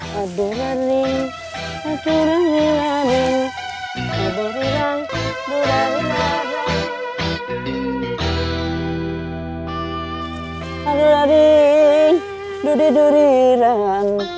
kapan juga mah akan siap